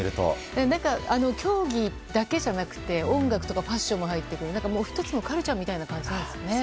何か競技だけじゃなくて音楽とかファッションも入っていて１つのカルチャーみたいな感じなんですね。